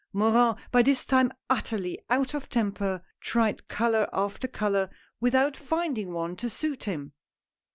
Morin by this time utterly out of temper, tried color after color without finding one to suit him.